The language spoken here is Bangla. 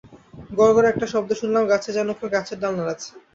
গরগর একটা শব্দ শুনলাম গাছে যেন কেউ গাছের ডাল নাড়াচ্ছে।